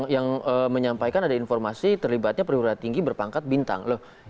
yang menyampaikan ada informasi terlibatnya perwira tinggi berpangkat bintang